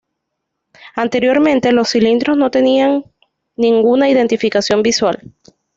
Anteriormente, los cilindros no tenían ninguna identificación visual.